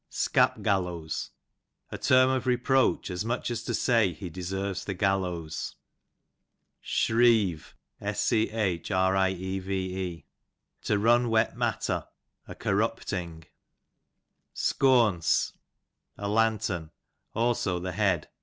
Scap gallows, «. term of reproach, as nrnch as to say he deserves the gallows. Schrieve, to run u et matter, a cor rupting. Scoance, a lantern; also the head.